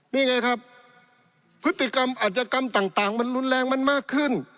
นี่ไงครับพฤติกรรมอัธยกรรมต่างมันรุนแรงมันมากขึ้น